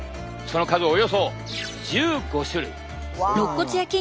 その数およそ１５種類。